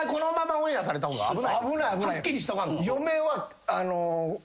はっきりしとかんと。